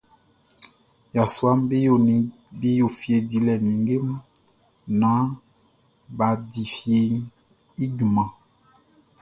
Yasuaʼm be yo fie dilɛ ninnge mun naan bʼa di fieʼn i junman.